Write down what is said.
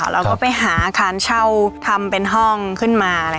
เราก็ไปหาอาคารเช่าทำเป็นห้องขึ้นมา